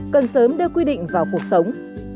cần sớm đưa quy định vào cuộc sống